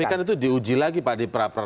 tapi kan itu diuji lagi pak di praper